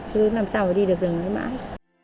chứ làm sao mà đi được đường này mãi